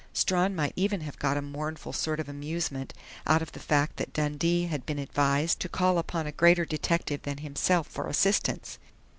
Strawn might even have got a mournful sort of amusement out of the fact that Dundee had been advised to call upon a greater detective than himself for assistance!...